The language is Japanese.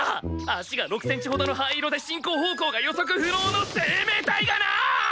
脚が６センチほどの灰色で進行方向が予測不能の生命体がなー！！